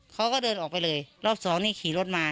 เขาก็เดินออกไปเลยรอบสองนี่ขี่รถมา